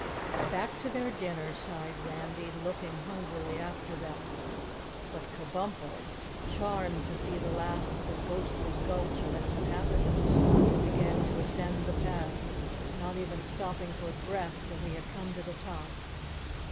"Back to their dinner," sighed Randy, looking hungrily after them. But Kabumpo, charmed to see the last of the ghostly gulch and its inhabitants, began to ascend the path, not even stopping for breath till he had come to the top.